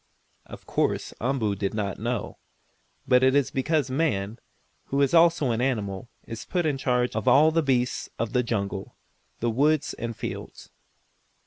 Of course Umboo did not know, but it is because man, who is also an animal, is put in charge of all the beasts of the jungle, the woods and fields.